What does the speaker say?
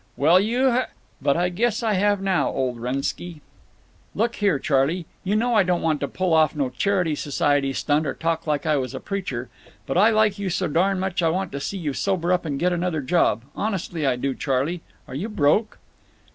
"Well, you h—" "But I guess I have now, old Wrennski." "Look here, Charley, you know I don't want to pull off no Charity Society stunt or talk like I was a preacher. But I like you so darn much I want to see you sober up and get another job. Honestly I do, Charley. Are you broke?"